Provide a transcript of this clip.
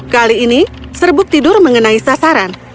kali ini serbuk tidur mengenai sasaran